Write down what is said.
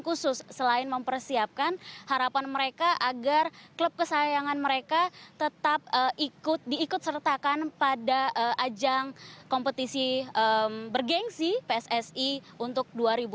khusus selain mempersiapkan harapan mereka agar klub kesayangan mereka tetap diikut sertakan pada ajang kompetisi bergensi pssi untuk dua ribu dua puluh